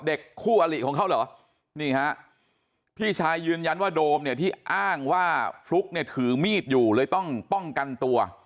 เด็กคู่อลิของเขาเหรอนี่ฮะพี่ชายยืนยันว่าโดมเนี่ยที่อ้างว่าฟลุ๊กเนี่ยถือมีดอยู่เลยต้องป้องกันตัว